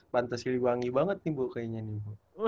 pantas ili wangi banget nih bu kayaknya